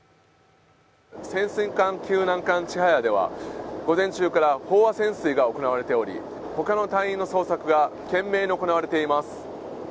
潜水艦救難艦「ちはや」では午前中から飽和潜水が行われており、ほかの隊員の捜索が懸命に行われています。